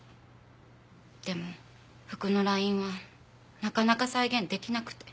でも服のラインはなかなか再現できなくて。